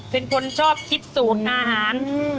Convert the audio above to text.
เป็นคนชอบคิดสูตรอาหาร